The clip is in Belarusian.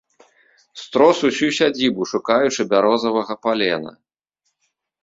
Строс ўсю сядзібу, шукаючы бярозавага палена.